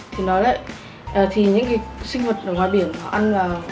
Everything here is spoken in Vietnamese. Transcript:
thì nói đấy thì những cái sinh vật ở ngoài biển họ ăn là